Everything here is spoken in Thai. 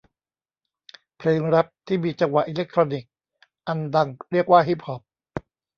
เพลงแร็พที่มีจังหวะอิเล็กทรอนิกส์อันดังเรียกว่าฮิปฮอป